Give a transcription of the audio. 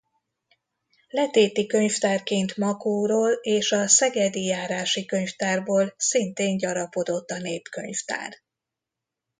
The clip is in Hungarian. Letéti könyvtárként Makóról és a szegedi járási könyvtárból szintén gyarapodott a népkönyvtár.